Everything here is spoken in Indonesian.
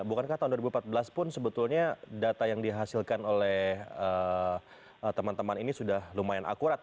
bukankah tahun dua ribu empat belas pun sebetulnya data yang dihasilkan oleh teman teman ini sudah lumayan akurat